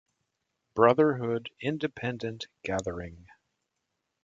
Brotherhood Independent Gathering.